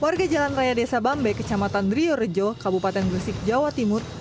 warga jalan raya desa bambe kecamatan riorejo kabupaten gresik jawa timur